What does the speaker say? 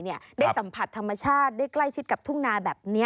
ได้สัมผัสธรรมชาติได้ใกล้ชิดกับทุ่งนาแบบนี้